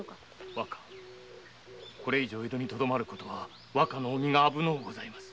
これ以上江戸にとどまる事はお身が危のうございます。